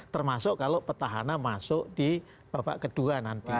termasuk kalau petahana masuk di babak kedua nanti